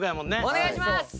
お願いします。